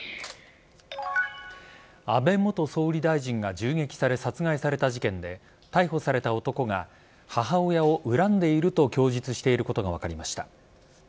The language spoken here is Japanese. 安倍元総理大臣が銃撃され殺害された事件で逮捕された男が母親を恨んでいると供述していることが分かりました。